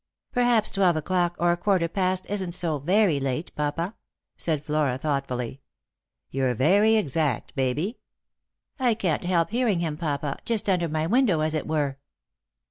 " Perhaps twelve o'clock or a quarter past isn't so very late, papa ?'' said Flora thoughtfully. " You're very exact, Baby." " I can't help hearing him, papa — just under my window, as it were."